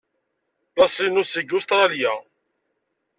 Laṣel-inu seg Ustṛalya.